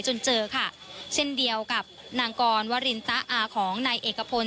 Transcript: จนเจอค่ะเช่นเดียวกับนางกรวรินตะอาของนายเอกพล